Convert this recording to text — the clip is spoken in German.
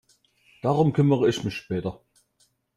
Darum kümmere ich mich später.